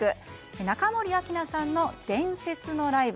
中森明菜さんの伝説のライブ。